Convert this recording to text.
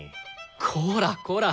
こらこら！